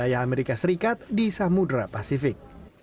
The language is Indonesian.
daya amerika serikat di samudera pasifik